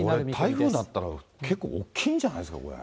これ、台風になったら、結構大きいんじゃないですか、これ。